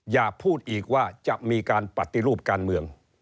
อย่าพูดอีกว่าจะมีการปฏิรูปการเมือง